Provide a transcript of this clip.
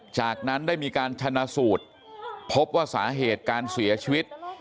จากนั้นได้มีการชนะสูตรพบว่าสาเหตุการเสียชีวิต